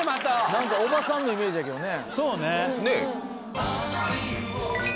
何かおばさんのイメージやけどね